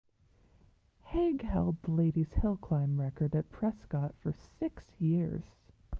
Haig held the Ladies’ hillclimb record at Prescott for six years.